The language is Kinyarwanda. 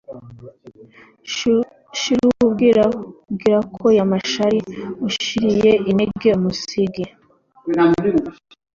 Shirubwiko ya Mashara Ushiriye inenge umusigi.